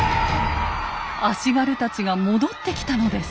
足軽たちが戻ってきたのです。